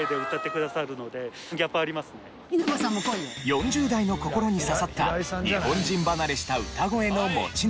４０代の心に刺さった日本人離れした歌声の持ち主。